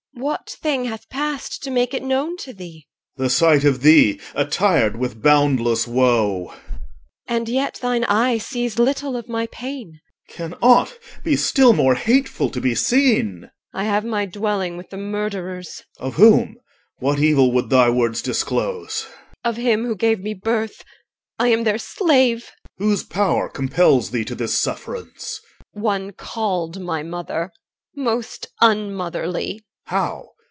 What thing hath passed to make it known to thee? OR. The sight of thee attired with boundless woe. EL. And yet thine eye sees little of my pain. OR. Can aught be still more hateful to be seen? EL. I have my dwelling with the murderers OR. Of whom? What evil would thy words disclose? EL. Of him who gave me birth. I am their slave. OR. Whose power compels thee to this sufferance? EL. One called my mother, most unmotherly. OR. How?